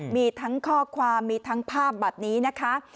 มีทั้งข้อความมีทั้งภาพแบบนี้นะคะ